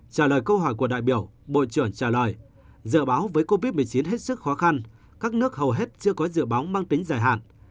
trả lời câu hỏi của đại biểu bộ trưởng trả lời dự báo với covid một mươi chín hết sức khó khăn các nước hầu hết chưa có dự báo mang tính dài hạn